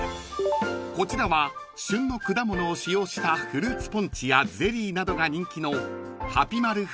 ［こちらは旬の果物を使用したフルーツポンチやゼリーなどが人気の］